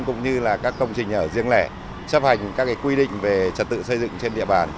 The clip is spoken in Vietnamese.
cũng như là các công trình ở riêng lẻ chấp hành các quy định về trật tự xây dựng trên địa bàn